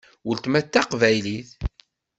Weltma d taqbaylit.